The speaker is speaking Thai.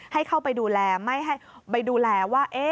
ให้เข้าไปดูแลไม่ให้ไปดูแลว่า